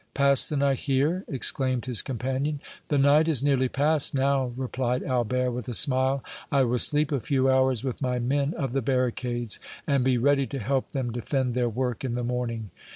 Pass the night here?" exclaimed his companion. "The night is nearly passed now," replied Albert, with a smile. "I will sleep a few hours with my men of the barricades, and be ready to help them defend their work in the morning."